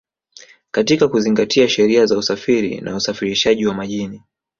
katika kuzingatia sheria za usafiri na usafirishaji wa majini